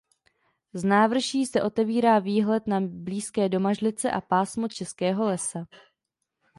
Z návrší se otevírá výhled na blízké Domažlice a pásmo Českého lesa.